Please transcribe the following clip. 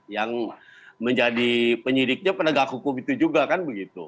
yang menjadi penyidiknya penegak hukum itu juga kan begitu